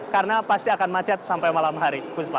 karena pasti akan macet sampai malam hari